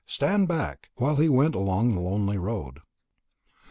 Stand back!!" while he went along the lonely road.